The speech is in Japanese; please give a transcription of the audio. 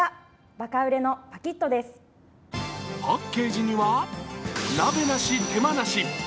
パッケージには「鍋なし手間なし」